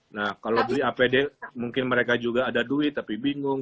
nah kalau beli apd mungkin mereka juga ada duit tapi bingung